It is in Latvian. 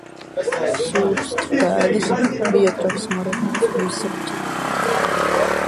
Sūrst pēdas, bija traks maratons visriņķī novadam.